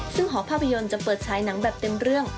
ซึ่งหอภาพยนตร์จะเปิดฉายหนังแบบเต็มเรื่อง